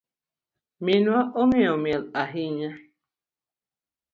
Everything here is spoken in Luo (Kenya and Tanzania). Minwa ongeyo miel ahinya.